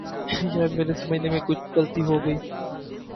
شاید میرے سمجھنے میں کچھ غلطی ہو گئی۔